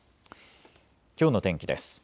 きょうの天気です。